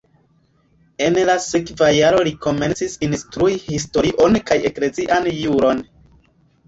En la sekva jaro li komencis instrui historion kaj eklezian juron.